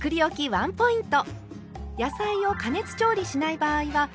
ワンポイント。